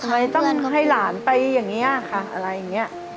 ไม่ต้องให้หลานไปอย่างเงี้ยค่ะอะไรอย่างเงี้ย